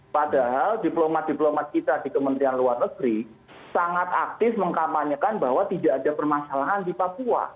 padahal diplomat diplomat kita di kementerian luar negeri sangat aktif mengkampanyekan bahwa tidak ada permasalahan di papua